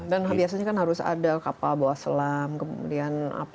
dan biasanya kan harus ada kapal bawa selam kemudian apa